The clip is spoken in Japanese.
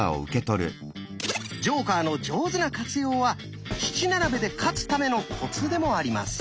ジョーカーの上手な活用は七並べで勝つためのコツでもあります。